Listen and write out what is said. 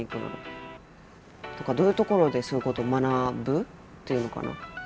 どういう所でそういうことを学ぶっていうのかな。